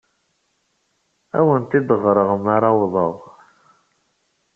Ad awent-d-ɣreɣ mi ara awḍeɣ.